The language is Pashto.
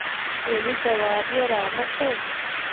ولې ځواب يې را نه کړ